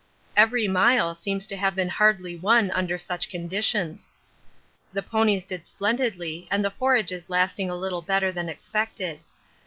Every mile seems to have been hardly won under such conditions. The ponies did splendidly and the forage is lasting a little better than expected.